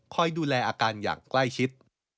ดูแลอาการอย่างใกล้ชิด